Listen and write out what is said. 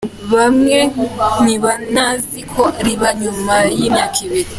Bamwe ntibanazi ko riba nyuma y’imyaka ibiri.